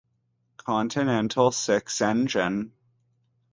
Continental Six engine.